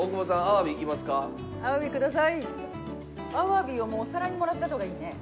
アワビはもうお皿にもらっちゃった方がいいね。